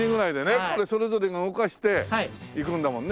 それぞれが動かして行くんだもんね。